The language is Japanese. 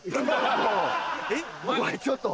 お前ちょっと。